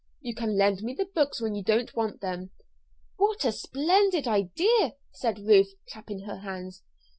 You can lend me the books when you don't want them." "What a splendid idea!" said Ruth, clapping her hands.